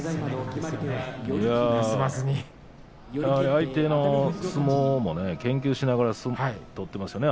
相手の相撲を研究しながら取っていますね